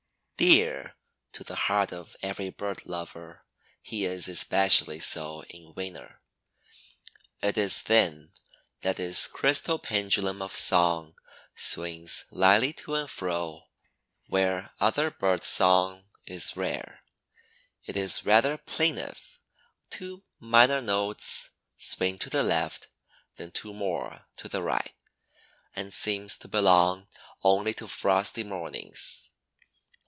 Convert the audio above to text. Dear to the heart of every bird lover, he is especially so in winter. It is then that his crystal pendulum of song swings lightly to and fro where other bird song is rare. It is rather plaintive—two minor notes swing to the left, then two more to the right—and seems to belong only to frosty mornings.